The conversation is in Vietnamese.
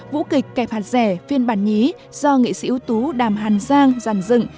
vũ kịch kẹp hạt rẻ phiên bản nhí do nghệ sĩ ưu tú đàm hàn giang dàn dựng